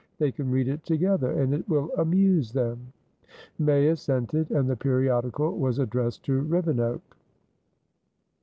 They can read it together, and it will amuse them." May assented, and the periodical was addressed to Rivenoak.